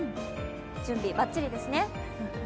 準備、ばっちりですね。